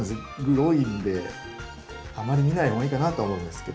グロいんであまり見ない方がいいかなとは思うんですけど。